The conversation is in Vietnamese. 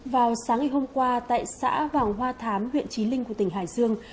vào sáng ngày hôm qua tại xã vàng hoa thám huyện trí linh của tỉnh hải dương